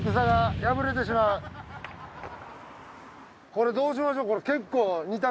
これどうしましょう結構２択。